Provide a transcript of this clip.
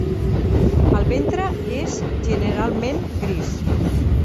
El ventre és generalment gris.